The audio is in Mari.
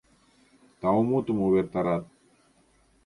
— Таумутым увертарат.